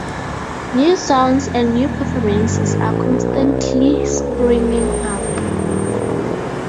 New songs and new performances are constantly springing up.